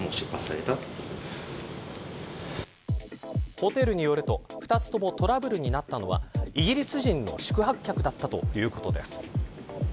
ホテルによると２つともトラブルになったのはイギリス人の宿泊客だったということです。